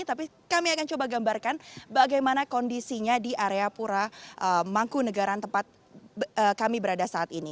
tapi kami akan coba gambarkan bagaimana kondisinya di area pura mangkunagaran tempat kami berada saat ini